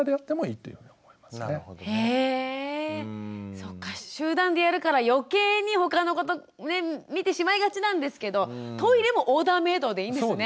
そっか集団でやるから余計に他の子と見てしまいがちなんですけどトイレもオーダーメイドでいいんですね。